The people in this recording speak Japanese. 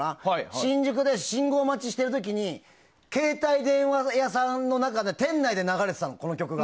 新宿で信号待ちしている時に携帯電話屋さんの中で店内で流れてたの、この曲が。